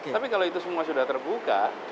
tapi kalau itu semua sudah terbuka